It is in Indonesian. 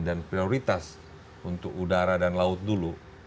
dan prioritas untuk udara dan laut dulu